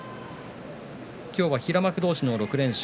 今日は平幕同士の６連勝。